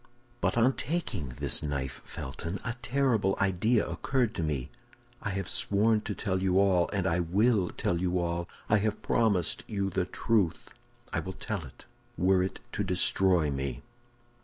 "But on taking this knife, Felton, a terrible idea occurred to me. I have sworn to tell you all, and I will tell you all. I have promised you the truth; I will tell it, were it to destroy me."